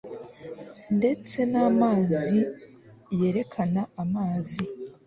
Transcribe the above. Ndetse namazi yerekana amazi